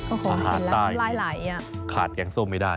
อาหารตายขาดแก๊งส้มไม่ได้